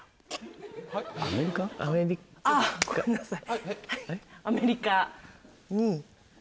あっごめんなさい。